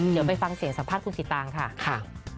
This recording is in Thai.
เดี๋ยวไปฟังเสียงสัมภาษณ์คุณสิตางค่ะ